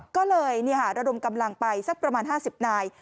ก็เลยระดมกำลังไปสักประมาณ๕๐นาย